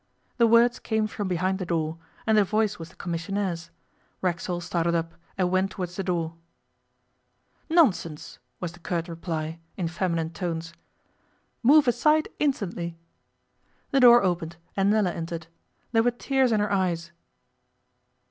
The words came from behind the door, and the voice was the commissionaire's. Racksole started up, and went towards the door. 'Nonsense,' was the curt reply, in feminine tones. 'Move aside instantly.' The door opened, and Nella entered. There were tears in her eyes.